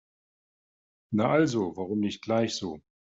Na also, warum nicht gleich so?